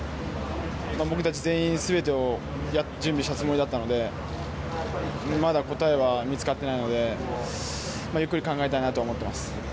僕たち全員全てを準備したつもりだったのでまだ、答えは見つかってないのでゆっくり考えたいなと思っています。